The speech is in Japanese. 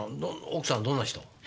奥さんどんな人？